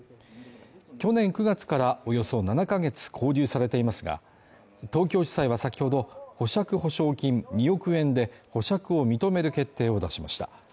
去年９月からおよそ７か月勾留されていますが、東京地裁は先ほど保釈保証金２億円で保釈を認める決定を出しました。